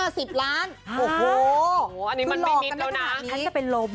ดี๕๐ล้านโอ้โหคือหลอกกันไม่ได้ขนาดนี้